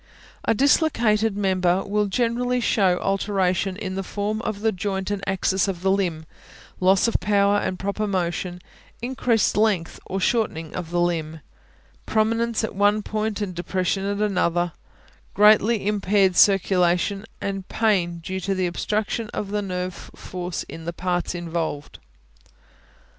A dislocated member will generally show alteration in the form of the joint and axis of the limb; loss of power and proper motion; increased length or shortening of the limb; prominence at one point and depression at another; greatly impaired circulation, and pain due to the obstruction of nerve force in the parts involved.